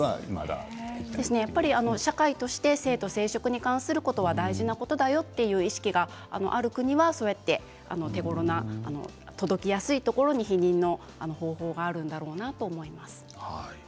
社会として性と生殖に関することは大事だよという意識がある国は手ごろな届きやすい国に避妊の方法があるんだろうなと思います。